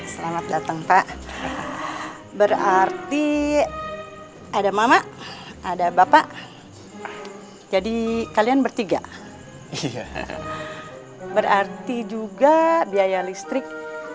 selamat datang pak berarti ada mama ada bapak jadi kalian bertiga berarti juga biaya listrik